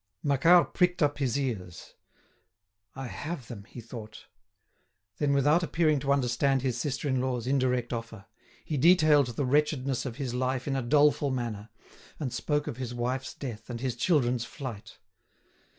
Macquart pricked up his ears. "I have them!" he thought. Then, without appearing to understand his sister in law's indirect offer, he detailed the wretchedness of his life in a doleful manner, and spoke of his wife's death and his children's flight.